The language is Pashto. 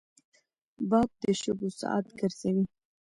باد د شګو ساعت ګرځوي